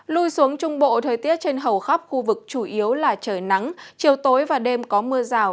lui xuống trung bộ thời tiết trên hầu khắp khu vực chủ yếu là trời nắng chiều tối và đêm có mưa rào